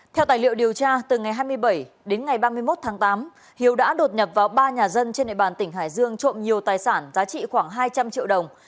theo tài liệu điều tra từ ngày hai mươi bảy đến ngày ba mươi một tháng tám hiếu đã đột nhập vào ba nhà dân trên địa bàn tỉnh hải dương trộm nhiều tài sản giá trị khoảng hai trăm linh triệu đồng